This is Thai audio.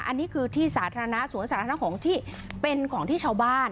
อันนี้คือที่สาธารณะสวนสาธารณะของที่เป็นของที่ชาวบ้าน